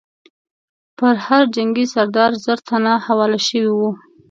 پر هر جنګي سردار زر تنه حواله شوي وو.